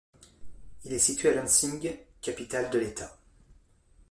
Il est situé à Lansing, capitale de l'État.